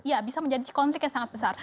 ya bisa menjadi konflik yang sangat besar